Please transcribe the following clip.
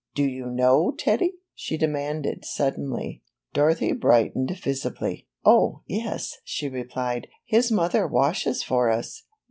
Do you know Teddy?" she demanded suddenly. Dorothy brightened visibly. ^'Oh, yes," she rephed, "his mother washes for us."